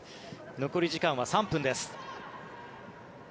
残り時間は３分です。